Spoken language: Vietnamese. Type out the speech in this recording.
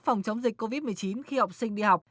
phòng chống dịch covid một mươi chín khi học sinh đi học